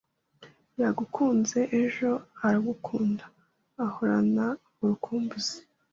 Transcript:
Yagukunze ejo aragukunda uhoranaurukumbuzi